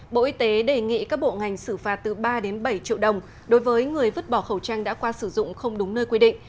bộ y tế đề nghị các bộ ngành xử phạt từ ba đến bảy triệu đồng đối với người vứt bỏ khẩu trang đã qua sử dụng không đúng nơi quy định